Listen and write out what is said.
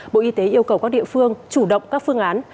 bộ y tế yêu cầu các địa phương chủ động các phương án